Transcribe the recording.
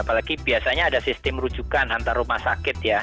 apalagi biasanya ada sistem rujukan antar rumah sakit ya